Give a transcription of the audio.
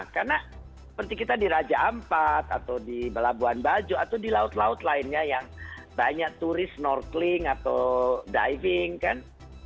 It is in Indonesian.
karena seperti kita di raja ampat atau di balabuan bajo atau di laut laut lainnya yang banyak turis snorkeling atau diving kan